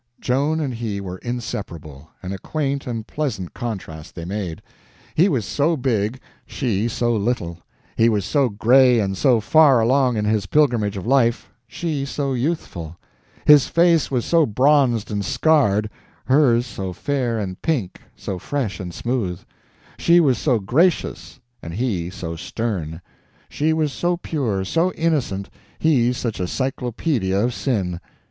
Joan and he were inseparable, and a quaint and pleasant contrast they made. He was so big, she so little; he was so gray and so far along in his pilgrimage of life, she so youthful; his face was so bronzed and scarred, hers so fair and pink, so fresh and smooth; she was so gracious, and he so stern; she was so pure, so innocent, he such a cyclopedia of sin.